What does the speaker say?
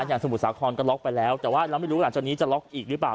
อย่างสมุทรสาของก็ล็อกไปแล้วแต่ว่าเราไม่รู้ว่าอาจจะล็อกอีกหรือเปล่า